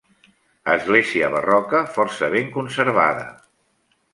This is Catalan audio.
Església barroca força ben conservada.